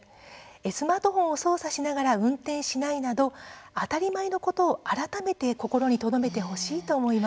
スマートフォンを操作しながら運転しないなど当たり前のことを改めて心にとどめてほしいと思います。